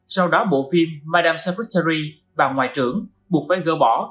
sau đó bộ phim madame secretary bà ngoại trưởng buộc phải gỡ bỏ